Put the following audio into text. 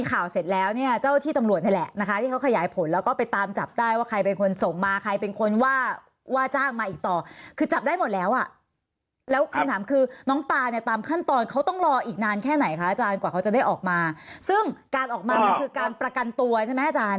ข่าวเสร็จแล้วเนี่ยเจ้าที่ตำรวจนี่แหละนะคะที่เขาขยายผลแล้วก็ไปตามจับได้ว่าใครเป็นคนส่งมาใครเป็นคนว่าว่าจ้างมาอีกต่อคือจับได้หมดแล้วอ่ะแล้วคำถามคือน้องปาเนี่ยตามขั้นตอนเขาต้องรออีกนานแค่ไหนคะอาจารย์กว่าเขาจะได้ออกมาซึ่งการออกมามันคือการประกันตัวใช่ไหมอาจารย์